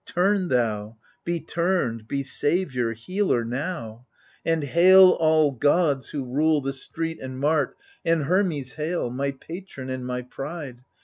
Turn thou, be turned, be saviour, healer, now I And hail, all gods who rule the street and mart And Hermes hail 1 my patron and my pride.